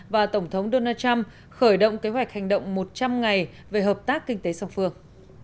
và tổng thống donald trump khởi động kế hoạch hành động một trăm linh ngày về hợp tác kinh tế sòng phược